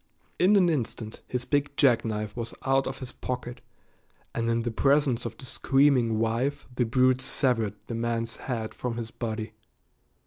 In an instant his big jackknife was out of his pocket and in the presence of the screaming wife the brute severed the man's head from his body.